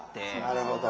なるほど。